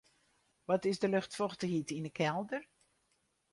Wat is de luchtfochtichheid yn 'e kelder?